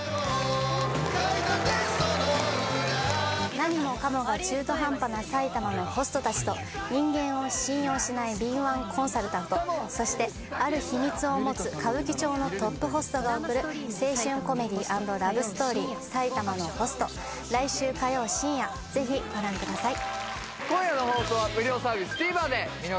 何もかもが中途半端な埼玉のホスト達と人間を信用しない敏腕コンサルタントそしてある秘密を持つ歌舞伎町のトップホストが送る青春コメディ＆ラブストーリー「埼玉のホスト」来週火曜深夜ぜひご覧ください